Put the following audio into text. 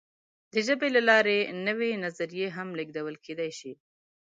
د ژبې له لارې نوې نظریې هم لېږدول کېدی شي.